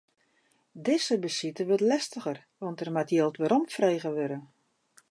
Dizze besite wurdt lestiger, want der moat jild weromfrege wurde.